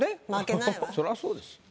そらそうですよ。